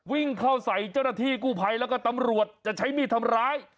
วิ่งเข้าใส่เจ้าหน้าที่กู้ภัยแล้วก็ตำรวจจะใช้มีดทำร้าย